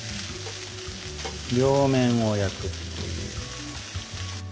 両面を焼くっていう。